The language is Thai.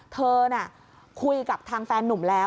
เธอน่ะคุยกับทางแฟนนุ่มแล้ว